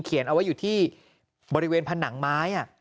เอาไว้อยู่ที่บริเวณผนังไม้